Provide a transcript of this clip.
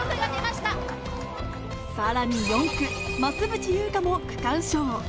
さらに４区・増渕祐香も区間賞。